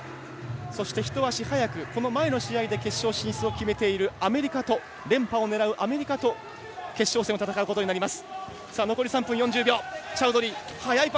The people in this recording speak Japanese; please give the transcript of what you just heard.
そして、一足早くこの前の試合で決勝進出を決めている連覇を狙うアメリカと決勝戦を戦うことになります。